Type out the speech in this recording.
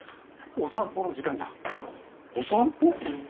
お散歩？